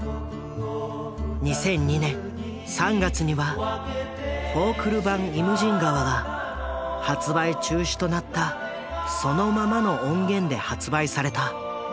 ２００２年３月にはフォークル版「イムジン河」が発売中止となったそのままの音源で発売された。